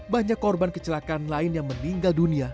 banyak korban kecelakaan lain yang meninggal dunia